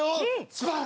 スパーン！